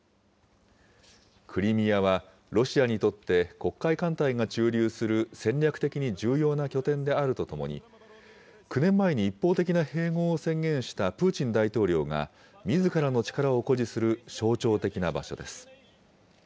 クリミアは、ロシアにとって黒海艦隊が駐留する戦略的に重要な拠点であるとともに、９年前に一方的な併合を宣言したプーチン大統領がみずからの力を誇示する象徴的な場所です。